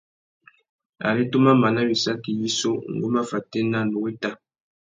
Ari tu má mana wissaki yissú, ngu má fatēna, nnú wéta.